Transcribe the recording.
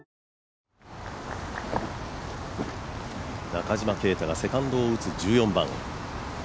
中島啓太がセカンドを打つ１４番。